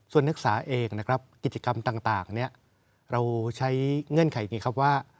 ส่วนนักศึกษาเองกิจกรรมต่างเราใช้เงื่อนไขว่า